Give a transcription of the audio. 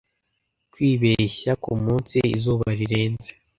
Kwibeshya k'umunsi, izuba rirenze,